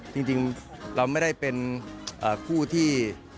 จริงเราไม่ได้เป็นคู่ที่